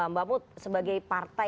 mbak mut sebagai partai